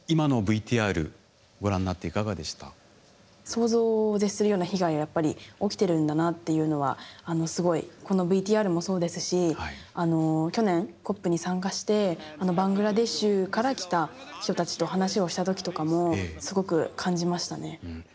想像を絶するような被害がやっぱり起きてるんだなっていうのはすごいこのＶＴＲもそうですし去年ＣＯＰに参加してバングラデシュから来た人たちと話をしたときとかもすごく感じましたね。